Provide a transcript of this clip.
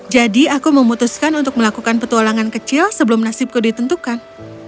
jadi aku memutuskan untuk melakukan petualangan kecil sebelum nasibku ditentukan